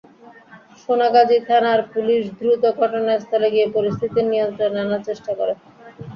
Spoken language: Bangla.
সোনাগাজী থানার পুলিশ দ্রুত ঘটনাস্থলে গিয়ে পরিস্থিতি নিয়ন্ত্রণে আনার চেষ্টা করে।